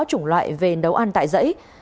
chủng loại về nấu ăn tại dãy